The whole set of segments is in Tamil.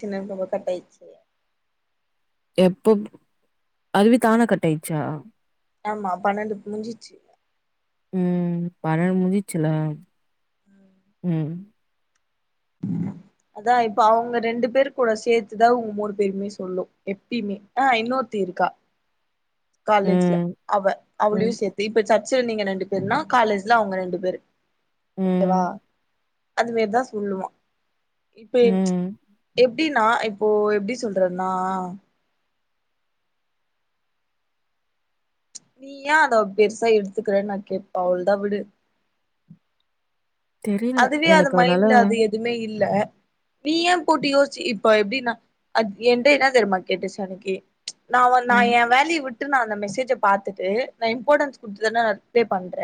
சின்ன ரொம்ப கட்டாயிச்சு எப்பமே அதுவே தானா கட்டாயிச்சா ஆமா பன்னெண்டு முடிஞ்சிச்சு ம் பன்னெண்டு முஞ்சுச்சுல ம் அதா இப்ப அவங்க ரெண்டு பேரு கூட சேத்துதா உங்க மூணு பேருமே சொல்லு எப்பயுமே ஆ இன்னொருத்தி இருக்கா காலேஜ்ல ம் அவ அவளயு ம் சேத்து இப்ப சர்ச்சல நீங்க ரெண்டு பேருனா காலேஜ்ல அவங்க ரெண்டு பேரு ஓகேவா ம் அது வேர்தா சொல்லுவா இப்ப ம் எப்டினா இப்போ எப்டி சொல்றதுனா நீ ஏன் அத பெருசா எடுத்துக்குற நா கேப்ப அவ்ள்தா விடு தெரியல அதுவே அது எனக்கு அதனால மைண்ட்ல அது எதுமே இல்ல நீ ஏ போட்டு யோசிச்சு இப்ப எப்டின்னா அத் என்ட என்ன தெரிமா கேட்டுச்சு அன்னைக்கு நா வ ம் ஏ வேலய விட் நா அந்த மெசேஜ பாத்துட்டு இம்பார்டன்ஸ் குடுத்துன நா ரிப்லே பண்ற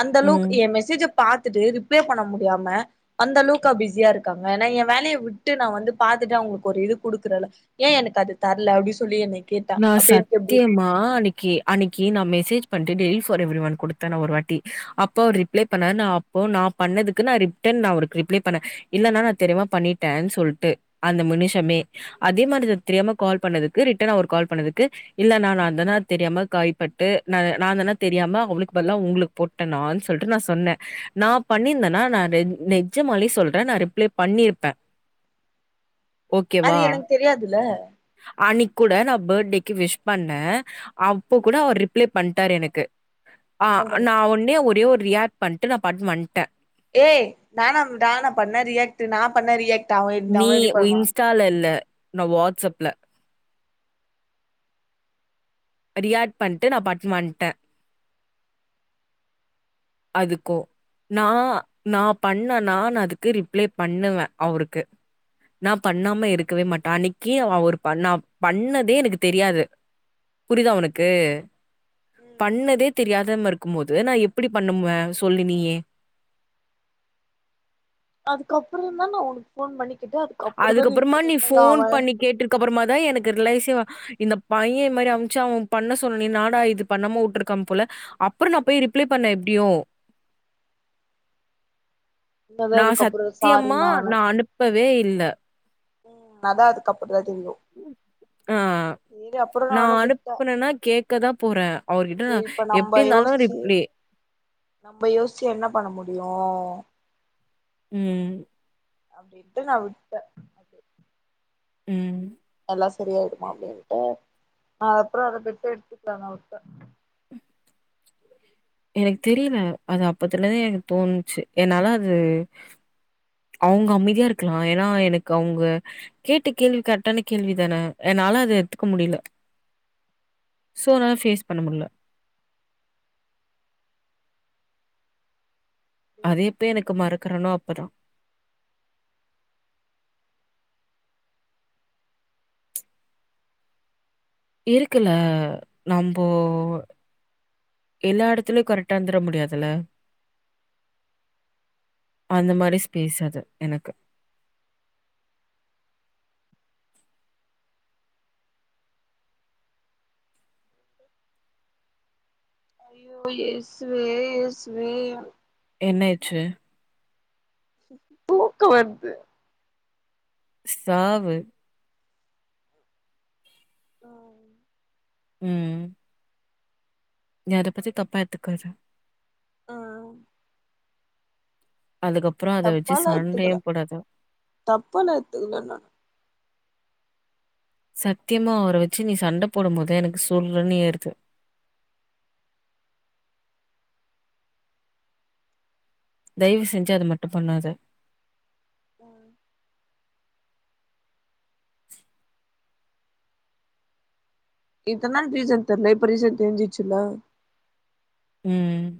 அந்த அளவுக் ம் எ மெசேஜ பாத்துட்டு ரிப்ளை பண்ண முடியாம அந்த அளவுக்கா பிஸியா இருக்காங்க நா எ வேலய விட்டு நா வந்து பாத்துட்டு அவங்களுக்கு ஒரு இது குடுக்குறல ஏ எனக்கு அது தர்ல அப்டின் சொல்லி என்னை நா சத்யமா அன்னைக் தி அன்னைக்கி நா மெசேஜ் பண்ட்டு டெலிட் ஃபார் எவ்ரி ஒன் குடுத்தே நா ஒரு வாட்டி அப்ப அவர் ரிப்ளை பண்ணாரு நா அப் இப்போ நா பண்ணதுக்கு நா ரிட்டர்ன் நான் ஒனக்கு ரிப்ளை பண்ணே இல்லனா நா தெரியமா பண்ணிட்டேன் சொல்ட்டு அந்த முனுஷமே அதே மாரி நா தெரியாம கால் பண்ணதுக்கு ரிட்டனா ஒரு கால் பண்ணதுக்கு இல்லண்ணா நாந்தாண்ணா தெரியாம கைப்பட்டு நா நாந்தாண்ணா தெரியாம அவளுக்கு பதிலா உங்களுக் போட்டனான் சொல்ட்டு நா சொன்னே நா பண்ணிருந்தனா நா நெஜ் நெஜமாலே சொல்றே நா ரிப்ளே பண்ணிருப்பே ஓகேவா தெரியாதுல அன்னைக்கு கூட நா பேர்டேக்கு விஷ் பண்ணே அப்ப கூட அவர் ரிப்ளே பண்ட்டாரு எனக்கு ஆ என்ன பண்ண நா ஒட்னே ஒரே ஒரு ரியாக்ட் பண்ட்டு நா பாட்டுன் வந்ட்டே ஏ நானாம் டானா பண்ண ரியாக்ட்டு நா பண்ல ரியாக்ட் அவ நீ அவ எப்டி வி பண்ணுவா இன்ஸ்டால இல்ல நா வாட்ஸ்அப்ல ரியாக்ட் பண்ட்டு நா பாட்டுன் வந்ட்டே அதுக்கு நா நா பண்ணா நானு அதுக்கு ரிப்ளே பண்ணுவே அவருக்கு நா பண்ணாம இருக்கவே மாட்டே அனைக்கி அவர் பண்ணா பண்ணதே எனக்கு தெரியாது புரிய்தா ஒனக்கு பண்ணதே தெரியாத மார்ருக்கும் போது நா எப்டி பண்ணுவே சொல்லு நீயே அதுக்கப்பறந் தா நா ஒனக்கு ஃபோன் பண்ணிக் கேட்டே அதுக்கப்பறந்தா நீ சொன்ன மாரி அவ கப்பறமா தா எனக்கு ரிலைசிவா இந்த பைய மாரி அம்ச்சு அவ பண்ண சொன்னே நாடா இது பண்ணாம உட்ருக்கா போல அப்பற நா போய் ரிப்ளே பண்ணே எப்டியு என்னது நா அதுக்கப்புறோ சாரி சத்தியமா நானு நா அனுப்பவே இல்ல அதா அதுக்கப்பறந்தா தூங்கு ஆ நா விட்டே அனுப்புனேனா கேக்கதா போறே அவர்கிட்ட நா சேரி இப்ப நம்ப எப்டி இருந்தாலு யோசிச்சு ரிப்ளே நம்ப யோசிச்சு என்ன பண்ண முடியு ம் அப்டின்ட்டு நா விட்டே ம் எல்லா செரியாயிடுமா அப்டின்ட்டு அது அப்றோ அத பெருசா எடுத்துக்லா நா விட்டே எனக்கு தெரியல அது அப்பத்துலதே எனக்கு தோணுச்சு என்னால அது அவ்ங்க அமைதியா இருக்கலா ஏனா எனக்கு அவ்ங்க கேட்ட கேள்வி கரெக்டான கேள்வி தான என்னால அத எட்த்துக்க முடிய்ல சோ நா ஃபேஸ் பண்ண முட்ல அத எப்ப எனக்கு மறக்குறனோ அப்பதா இருக்குல நம்போ எல்லா எடத்துலையு கரெக்டாருந்துர முடியாதுல்ல அந்த மாரி ஸ்பேஸ் அது எனக்கு ஐயோ ஏசுவே ஏசுவே என்ன ஏச்சுவே தூக்கோ வர்து சாவு ஆ ம் ம் நீ அத பத்தி தப்பா எத்துக்காத ம் அதுக்கப்றோ அத வச்சு தப்பாலா எத்துக்கல சண்டயு போடாத தப்பாலா எத்துக்கல நா சத்தியமா அவுர வச்சு நீ சண்ட போடும் போது எனக்கு சுர்ன்னு ஏருது தய்வு செஞ்சு அத மட்டு பண்ணாத அ இத்தன் நாள் ரீசன் தெர்ல இப்ப ரீசன் தெஞ்சிச்சுல்ல ம்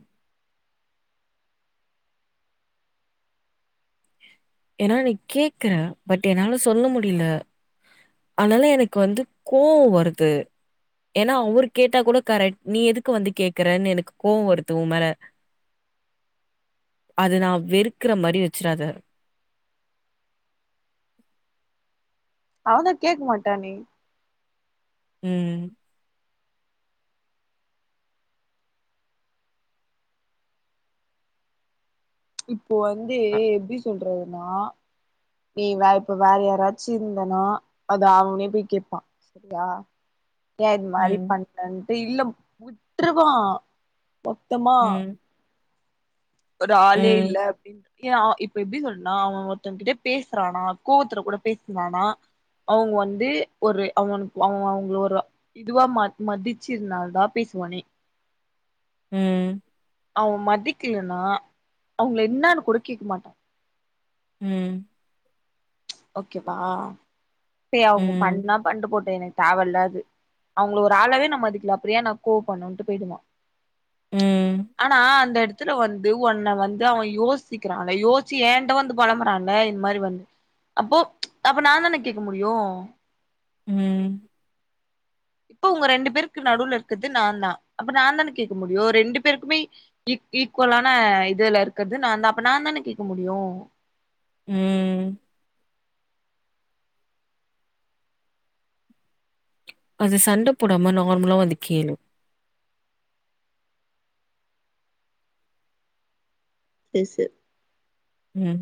ஏனா நீ கேக்குற பட் என்னால சொல்ல முடில அதனால எனக்கு வந்து கோவோ வருது ஏனா அவ்ரு கேட்டா கூட கரெக்ட் நீ எதுக்கு வந்து கேக்குறன்னு எனக்கு கோவ் வருது உமேல அத நா வெறுக்குற மாரி வச்சிராத அவந்தா கேக் மாட்டானே ம் இப்போ வந்து எப்டி சொல்றதுன்னா நீ வே இப்ப வேற யாராச்சு இர்ந்தனா அது அவ்னே போய் கேப்பா செரியா ஏ இந்மாரி ம், பண்றன்ட்டு இல்ல விட்ருவா மொத்தமா ம், ஒரு ஆளே இல்ல ம், அப்டின்னு ஏ அவ இப்ப எப்டி சொன்னா அவ ஒருத்த கிட்ட பேசுறானா கோவத்துல கூட பேசுறானா அவுங்க வந்து ஒரு அவ்னுக்கு அவ அவுங்கள ஒரு அ இதுவா ம மதிச்சித்னால தா பேசுவானே ம் அவ மதிக்கலன்னா அவுங்கள என்னானுகூட கேக்க மாட்டா ம் ஓகேவா பே அவுங்க ம், பண்ணா பண்டு போட்டு எனக் தேவ இல்லாது அவுங்கள ஒரு ஆளவே நா மதிக்கல அப்றோ ஏ நா கோவ பண்ணுன்ட்டு போய்டுமா ம், ஆனா அந்த எடத் துல வந்து உன்ன வந்து அவ யோசிக்கிறால யோச்சி ஏன்ட வந்து பொலம்புறால இந்மாரி வந்து அப்போ அப்ப நா தான கேக்க முடியு ம் அப்போ உங்க ரெண்டு பேருக்கு நடுவுல இருக்கறது நா தா அப்ப நா தான கேக்க முடியு ரெண்டு பேருக்குமே ஈ ஈக்குவலான இதுல இருக்கறது நா தா அப்ப நா தான கேக்க முடியு ம் ம் அது சண்ட போடாம நார்மலா வந்து கேலு செர் செர் ம்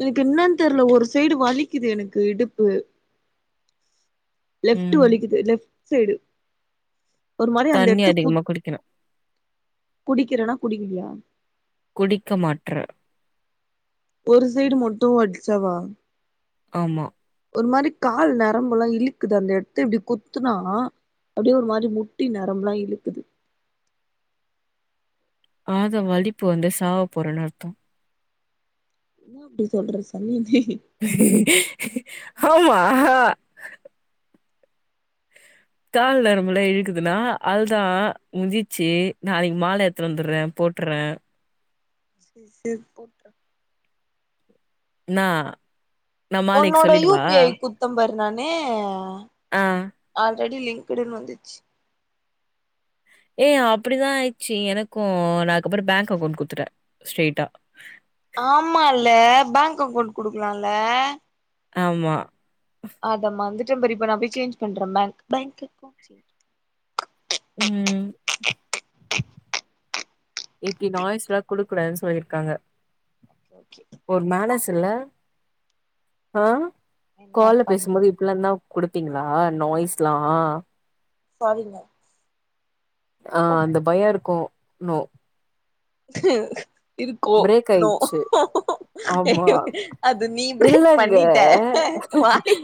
எனக்கு என்னன் தெர்ல ஒரு சைடு வலிக்குது எனக்கு இடுப்பு லெப்ட்டு ம். வலிக்குது லெப்ட் சைடு ஒரு மாரி அந்த தண்ணி எடத்த அதிகமா குத் குடிக்கணும். குடிக்கிறனா குடிக்லியா குடிக்கமாட்ற ஒரு சைடு மட்டு வட்ச்சாவா ஆமா ஒரு மாரி கால் நரம்பெலா இழுக்குது அந்த எட்த்த இப்டி குத்துனா அப்டியே ஒரு மாதிரி முட்டி நரம்பெலா இழுக்குது ஆத வலிப்பு வந்து சாவ போறன்னு அர்த்தோ ஏ அப்டி சொல்ற சனியனே ஆமா கால் நரம்ப்லா இழுக்குதுன்னா அதுதா முட்சிச்சு நாளைக்கு மால எட்த்துனு வந்துட்றே போட்டுறே சேரி சேரி போட்ரு என்னா நான் மாலைக்கு ஒன்னோட யூ சொல்லிடவா? பி ஐ குத் த்தே பாரு நானு ஆ. ஆல்ரெடி லிங்குடுன்னு வந்துச்சு ஏய் அப்படிதா ஆயிச்சு எனக்கு நா அதுக்கப்றோ பேங்க் அக்கௌண்ட் குட்த்துட்டே ஸ்ட்ரைட்டா ஆமால பேங்க் அக்கௌண்ட் குடுக்கலால்ல ஆமா அத மர்ந்துட்ட பாரு இப்ப நா போய் சேஞ் பண்றே பேங்க் பேங்க் அகௌண்ட் ம் இப்டி நாய்ஸ்ல்லா குடுக்கூடாதுன் சொல்லியிருக்காங்க ஓகே ஓகே ஒரு மேனஸ் இல்ல அ என்ன கால்ல பேசும்போது பண்றது இப்பிலாந்தா குடுப்பீங்ளா நாய்ஸ்லா சரிங்க அ அந்த பயோ இருக்கு னு ஹ்ம் இருக்கோ பிரேக் ஆயிடுச்சு. ஆமா. நோஅது நீ ப்ரேக் இல்லங்க. பண்ணிட்ட வாய்ய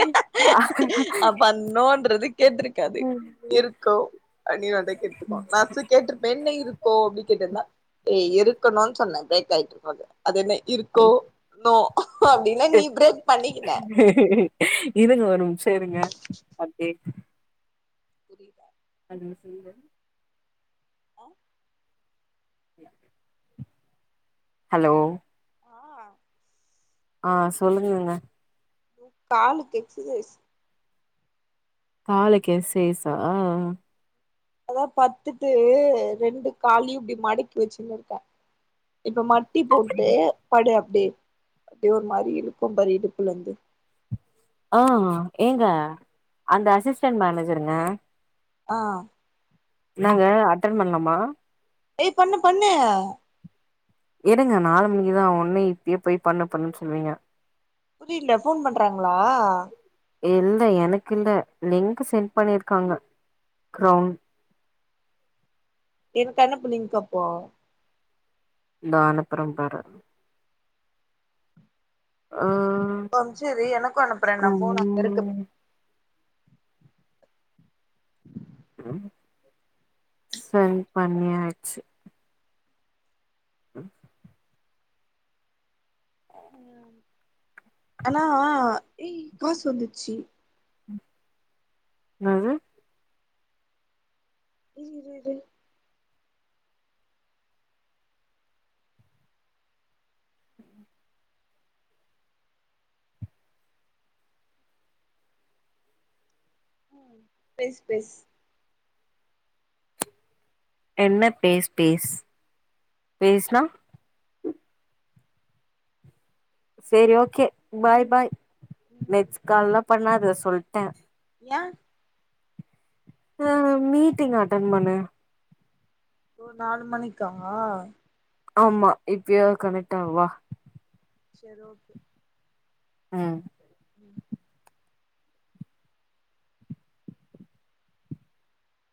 அப்ப நோ ன்றது கேட்ருக்காது இருக்கு அ நீ வந்து கேட்ருக்கு நா கேட்ருப்பே என்னை இரு கோ அப்டி கேட்ருந்தே ஏ இருக்கணுனு சொன்னே ப்ரேக் ஆய்ட்டு கொஞ்சோ அது என்ன இருக்கோ நோ அப்டின்னு நீ ப்ரேக் பண்ணிக்கின ஹ் ஹ் இருங்க ஒர்நிம்சோ இருங்க அப்டே புரிய ஹலோ சொல்லுங்க அ [unintelligible] ஹலோ அ ஆ சொல்லுங்கங்க காலுக்கு எக்ஸசைஸ் காலைக்கு எக்ஸைஸா அதா பட்த்துட்டு ரெண்டு காலையு இப்டி மடக்கி வச்சுனு இருக்கே இப்ப மட்டி போட்டு படு அப்டே அப்டியே ஒரு மாரி இழுக்கு பாரு இடுப்புலருந்து ஆ ஏங்க அந்த அசிஸ்டன்ட் மேனஜருங்க ஆ என்னங்க அட்டன் பண்லாமா ஏய் பண்ணு பண்ணு எடுங்க நாலு மணிக்குதா ஒடன்னே இப்பயே போய் பண்ணு பண்ணுன்னு சொல்லுவீங்க புரில போன் பண்றாங்களா இல்ல எனக்கு இல்ல லிங்க் சென்ட் பண்ணிருக்காங்க கிரௌன் எனக்கு அனுப்பு லிங் அப்போ தோ அனுப்புற பாரு ஆ இப்ப அனுப்ச்சது எனக்கு அனுப்புறன்னா போன் அங்க இருக்கு சென் பண்ணியாச்சு ம் ஆனா அக்கா சொன்னுச்சு ம் என்னது ஏ இரு இரு இரு அ பேசு பேசு என்ன பேஸ் பேஸ் பேஸ்னா சேரி ஓகே பாய் பாய் ம் நெஸ்ட் கால்லா பண்ணாத சொல்ட ஏய அ மீட்டிங் அட்டன் பண்ணு ஓ நாலு மணிக்கா ஆமா இப்பயோ கனக்ட் ஆவு வா சேர் ஓகே அ ம்